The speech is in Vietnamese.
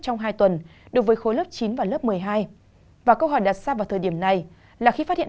trong hai tuần đối với khối lớp chín và lớp một mươi hai và câu hỏi đặt ra vào thời điểm này là khi phát hiện